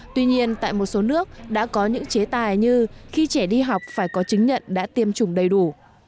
tuy nhiên tại một số nước đã có những chế tài như khi trẻ đi học phải có chứng nhận đã tiêm chủng đầy đủ